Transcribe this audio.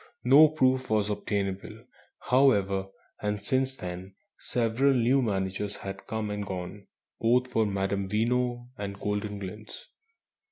No proof was obtainable, however, and since then several new managers had come and gone, both for Madame Veno and "Goldenglints."